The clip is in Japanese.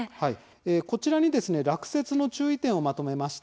こちらに落雪の注意点をまとめました。